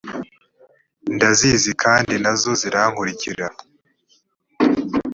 yh ndazizi kandi na zo zirankurikira